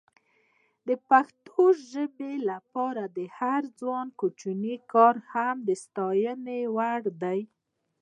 د پښتو ژبې لپاره د هر ځوان کوچنی کار هم د ستایلو وړ ده.